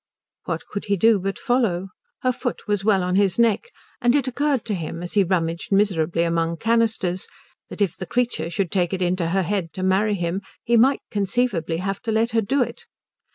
What could he do but follow? Her foot was well on his neck; and it occurred to him as he rummaged miserably among canisters that if the creature should take it into her head to marry him he might conceivably have to let her do it.